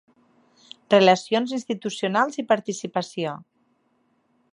Relacions Institucionals i Participació.